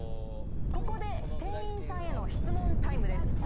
ここで店員さんへの質問タイムです。